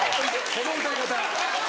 この歌い方。